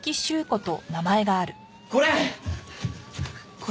これ！